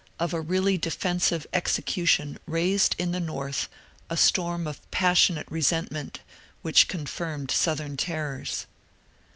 302 MONCURE DANIEL CONWAY of a really defensive execution raised in the North a storm of passionate resentment which confirmed Southern terrors.